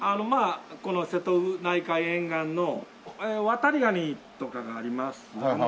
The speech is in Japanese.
まあこの瀬戸内海沿岸のワタリガニとかがあります。